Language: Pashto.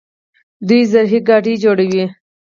دوی زرهي ګاډي جوړوي.